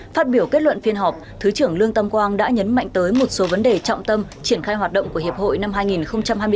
phát biểu kết luận phiên họp thứ trưởng lương tâm quang đã nhấn mạnh tới một số vấn đề trọng tâm triển khai hoạt động của hiệp hội năm hai nghìn hai mươi bốn